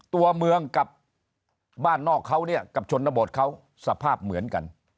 ตัวเมืองกับบ้านนอกเขาเนี่ยกับชนบทเขาสภาพเหมือนกัน